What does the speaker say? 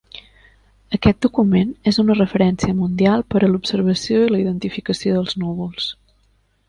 Aquest document és una referència mundial per a l'observació i la identificació dels núvols.